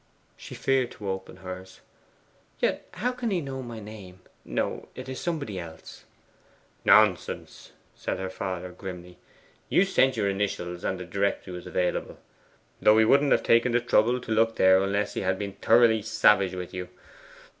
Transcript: She feared to open hers. 'Yet how can he know my name? No; it is somebody else.' 'Nonsense!' said her father grimly. 'You sent your initials, and the Directory was available. Though he wouldn't have taken the trouble to look there unless he had been thoroughly savage with you.